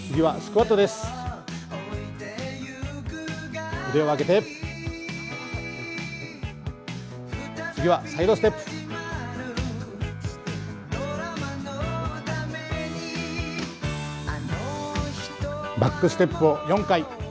バックステップを４回。